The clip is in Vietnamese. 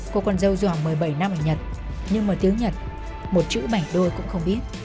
cô con dâu dù học một mươi bảy năm ở nhật nhưng một tiếng nhật một chữ bảnh đôi cũng không biết